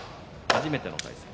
初めての対戦。